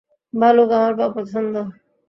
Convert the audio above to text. ভালুক আমার অপছন্দ।